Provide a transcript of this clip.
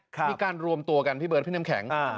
มีการรวมตัวกันพี่เบิร์ดพี่น้ำแข็ง